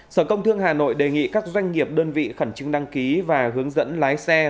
sở công thương hà nội đề nghị các doanh nghiệp đơn vị khẩn trưng đăng ký và hướng dẫn lái xe